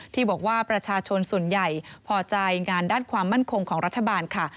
ที่บอกว่าประชาชนส่วนใหญ่พอใจงานด้านความมั่นคงของรัฐบาลค่ะ